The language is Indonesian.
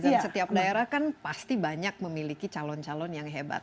dan setiap daerah kan pasti banyak memiliki calon calon yang hebat